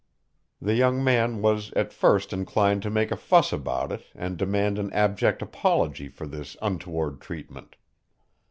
The young man was at first inclined to make a fuss about it and demand an abject apology for this untoward treatment.